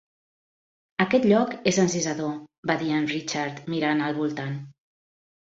"Aquest lloc és encisador" va dir en Richard mirant al voltant.